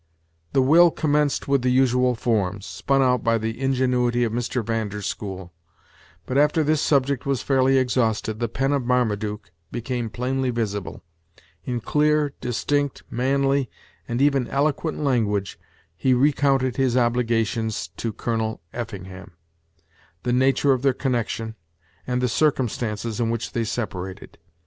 The will commenced with the usual forms, spun out by the ingenuity of Mr. Van der School: but, after this subject was fairly exhausted, the pen of Marmaduke became plainly visible. In clear, distinct, manly, and even eloquent language, he recounted his obligations to Colonel Effingham, the nature of their connection, and the circumstances in which they separated.